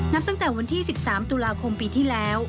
นับตั้งแต่วันที่๑๓ตุลาคมปีที่แล้ว